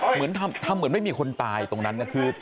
เหมือนทำเหมือนไม่มีคนตายตรงนั้นนะคือ